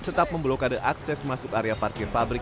tetap memblokade akses masuk area parkir pabrik